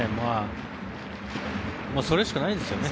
それしかないですね。